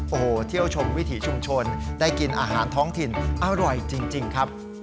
โอ้โหเที่ยวชมวิถีชุมชนได้กินอาหารท้องถิ่นอร่อยจริงครับ